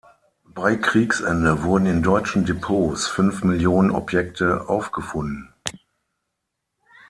Bei Kriegsende wurden in deutschen Depots fünf Millionen Objekte aufgefunden.